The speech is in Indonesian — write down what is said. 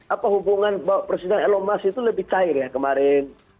apa hubungan presiden elon musk itu lebih cair ya kemarin